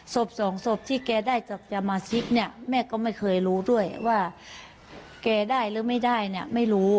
ศพสองศพที่แกได้จากยามาซิกเนี่ยแม่ก็ไม่เคยรู้ด้วยว่าแกได้หรือไม่ได้เนี่ยไม่รู้